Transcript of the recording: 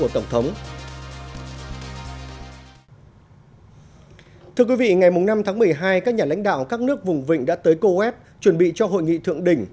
thưa quý vị ngày năm tháng một mươi hai các nhà lãnh đạo các nước vùng vịnh đã tới coes chuẩn bị cho hội nghị thượng đỉnh